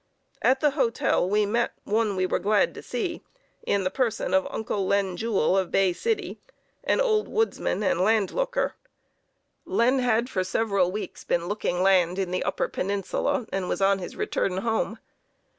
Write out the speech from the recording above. At the hotel we met one we were glad to see, in the person of "Uncle Len" Jewell, of Bay City, an old woodsman and "land looker." Len had for several weeks been looking land in the upper peninsula, and was on his return home.